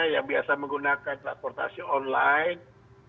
yang biasa menggunakan transportasi online